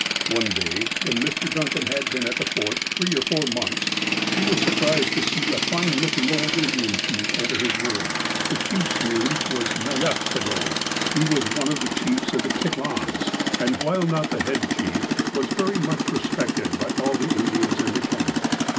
One day, when Mr. Duncan had been at the Fort three or four months, he was surprised to see a fine looking old Indian chief enter his room. The chiefs name was " Ne yashtodoh." He was one of the chiefs of the Kitlahns, and while not the head chief, was very much respected by all the Indians in the camp.